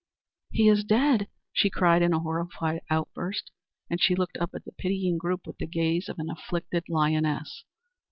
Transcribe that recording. "He is dead," she cried, in a horrified outburst, and she looked up at the pitying group with the gaze of an afflicted lioness.